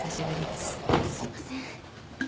すいません。